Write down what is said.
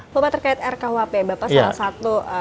bapak terkait rkuhp bapak salah satu